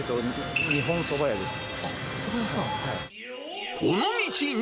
日本そば屋です。